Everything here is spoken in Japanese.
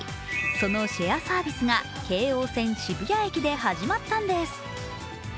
そのシェアサービスが京王線渋谷駅で始まったんです。